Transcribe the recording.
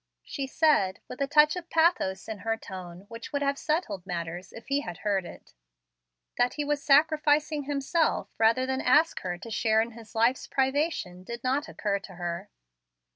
she said, with a touch of pathos in her tone which would have settled matters if he had heard it. That he was sacrificing himself rather than ask her to share in his life's privation, did not occur to her.